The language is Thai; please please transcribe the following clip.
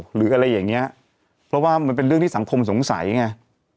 หรืออะไรอย่างเงี้ยเพราะว่ามันเป็นเรื่องที่สังคมสงสัยไง